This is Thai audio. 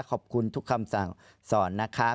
ขอบคุณทุกคำสั่งสอนนะคะ